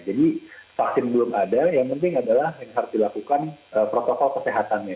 jadi vaksin belum ada yang penting adalah yang harus dilakukan protokol kesehatannya